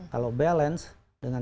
kalau balance dengan